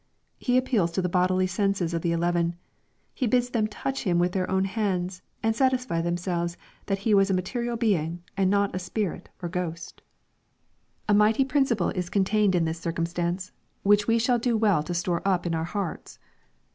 He appeals to the bodily senses of the eleven. He bids them touch Him with their own hands, and satisfy themselves that He was a material being, and not a spirit or ghost 512 EXPOSITORY THOUGHTS. A mighfcy priDciple is contained in this circumstance, which we shall do well to store up in our hearts.